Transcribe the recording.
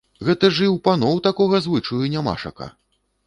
Гэта ж і ў паноў такога звычаю нямашака!